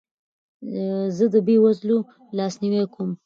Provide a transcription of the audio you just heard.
زه د بې وزلو لاسنیوی کوم.